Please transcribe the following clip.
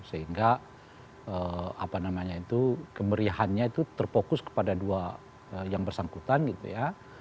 sehingga kemeriahannya itu terfokus kepada dua yang bersangkutan gitu ya